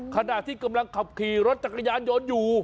ขณะที่กำลังขับขี่รถจักรยานยนต์อยู่